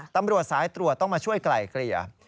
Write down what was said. ตำรวจสายตรวจต้องมาช่วยไกลเกลี่ย